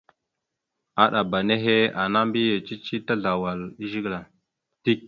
Aɗaba nehe ana mbiyez cici tazlawal e zigəla dik.